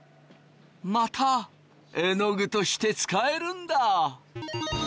またえのぐとして使えるんだ！